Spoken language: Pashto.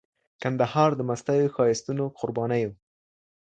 کندهار د مستیو، ښایستونو، قربانیو